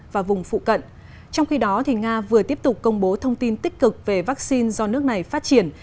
và vùng phụ cận trong khi đó nga vừa tiếp tục công bố thông tin tích cực về vaccine do nước này phát triển